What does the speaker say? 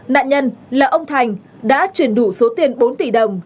nạn nhân là ông thành đã chuyển đủ số tiền bốn tỷ đồng